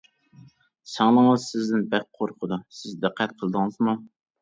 سىڭلىڭىز سىزدىن بەك قورقىدۇ، سىز دىققەت قىلدىڭىزمۇ؟ !